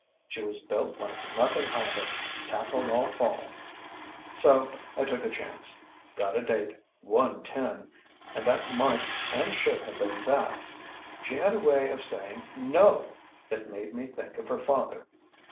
She was built like nothing I had tackled all fall. So I took a chance, got a date, won ten, and that might and should have been that. She had a way of saying "No!" that made me think of her father.